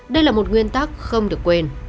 đây là một nguyên tắc không được quên